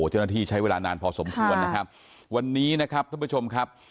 เจ้าหน้าที่ใช้เวลานานพอสมควรนะครับวันนี้นะครับท่านผู้ชมครับ